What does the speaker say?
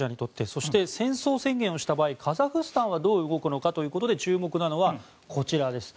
そして、戦争宣言をした場合カザフスタンはどう動くのかということで注目なのはこちらです。